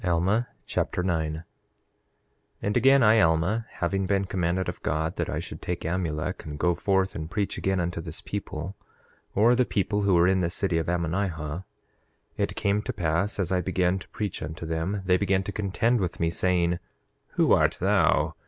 Alma Chapter 9 9:1 And again, I, Alma, having been commanded of God that I should take Amulek and go forth and preach again unto this people, or the people who were in the city of Ammonihah, it came to pass as I began to preach unto them, they began to contend with me, saying: 9:2 Who art thou?